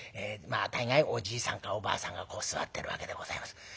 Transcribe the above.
大概おじいさんかおばあさんが座ってるわけでございます。